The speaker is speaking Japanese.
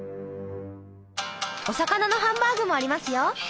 お魚のハンバーグもありますよ！